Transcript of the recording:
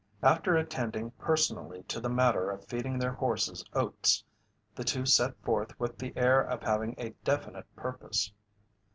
After attending personally to the matter of feeding their horses oats, the two set forth with the air of having a definite purpose.